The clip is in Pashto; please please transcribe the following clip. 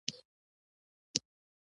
دا مچي ده